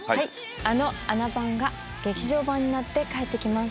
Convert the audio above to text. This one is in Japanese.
あの『あな番』が劇場版になって帰って来ます。